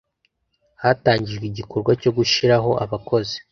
hatangijwe igikorwa cyo gushyiraho abakozi